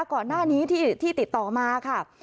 ก่อนหน้านี้ที่ติดต่อมาค่ะ